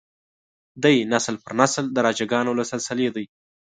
دی نسل پر نسل د راجه ګانو له سلسلې دی.